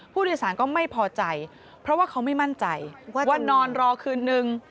ผู้โดยสารก็ไม่พอใจเพราะว่าเขาไม่มั่นใจว่านอนรอคืนนึง